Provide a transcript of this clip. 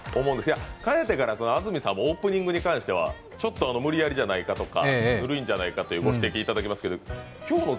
かねてから、安住さんもオープニングに関しては、ちょっと無理矢理じゃないかとか古いんじゃないかというご指摘いただきますが、今日の「ＴＨＥＴＩＭＥ，」も